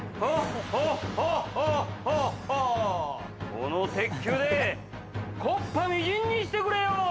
この鉄球で木っ端みじんにしてくれよう！